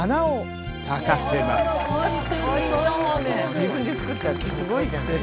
自分で作ったってすごいじゃない。